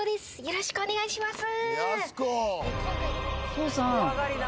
よろしくお願いします。